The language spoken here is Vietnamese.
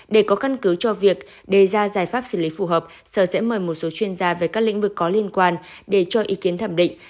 để có căn cứ cho việc đề ra giải pháp xử lý phù hợp sở sẽ mời một số chuyên gia về các lĩnh vực có liên quan để cho ý kiến thẩm định